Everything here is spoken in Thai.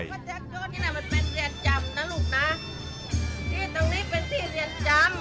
นี่น่ะมันเป็นเรียนจำนะลูกน่ะที่ตรงนี้เป็นที่เรียนจำ